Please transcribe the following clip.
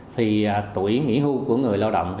thì tuổi nghỉ hưu của người lao động